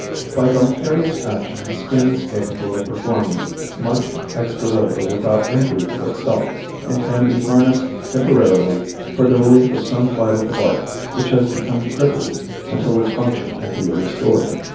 By vicarious action the skin is capable of performing much extra labor without injury to itself and can be harnessed temporarily for the relief of some vital part which has become crippled until its function can be restored.